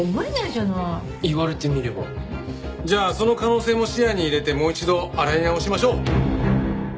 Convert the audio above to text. じゃあその可能性も視野に入れてもう一度洗い直しましょう。